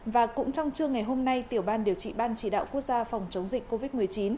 và cũng trong trưa ngày hôm nay tiểu ban điều trị ban chỉ đạo quốc gia phòng chống dịch covid một mươi chín